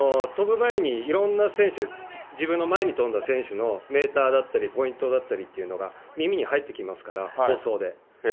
飛ぶ前にいろんな選手、自分の前に飛んだ選手のメーターだったり、ポイントだったりっていうのが耳に入ってきますから、放送で。